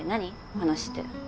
話って。